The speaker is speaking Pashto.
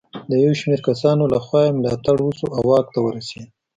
د یو شمېر کسانو له خوا یې ملاتړ وشو او واک ته ورسېد.